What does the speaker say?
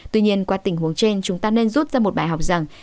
tuy nhiên qua tình huống trên chúng ta nên rút ra một bài học rằng